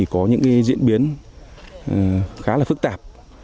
có những diễn biến khá là phức tạp